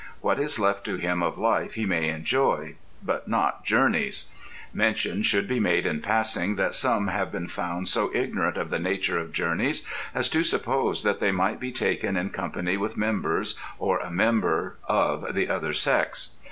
What is left to him of life he may enjoy, but not journeys. Mention should be made in passing that some have been found so ignorant of the nature of journeys as to suppose that they might be taken in company with members, or a member, of the other sex.